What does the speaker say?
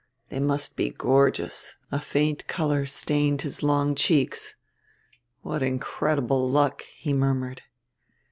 They must be gorgeous," a faint color stained his long cheeks. "What incredible luck," he murmured.